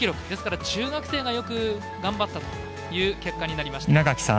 ですから中学生がよく頑張ったという結果になりました。